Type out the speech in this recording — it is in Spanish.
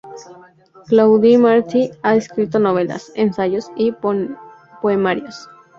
Claudi Martí ha escrito novelas, ensayos y poemarios.